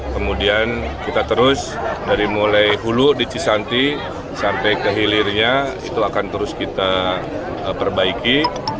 kemudian kita terus dari mulai hulu di cisanti sampai ke hilirnya itu akan terus kita perbaiki